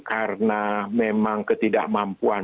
karena memang ketidakmampuan